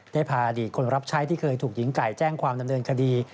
ได้พาอดีตคนรับใช้ที่เคยถูกหญิงไก่แจ้งความดำเนินคดี